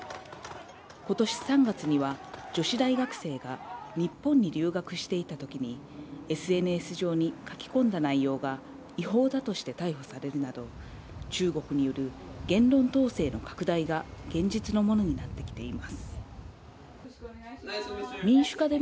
ことし３月には、女子大学生が日本に留学していたときに、ＳＮＳ上に書き込んだ内容が、違法だとして逮捕されるなど、中国による言論統制の拡大が現実のものになってきています。